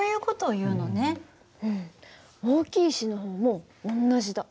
大きい石の方も同じだ。